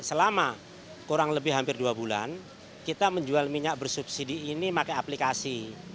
selama kurang lebih hampir dua bulan kita menjual minyak bersubsidi ini pakai aplikasi